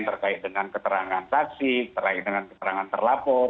terkait dengan keterangan saksi terkait dengan keterangan terlapor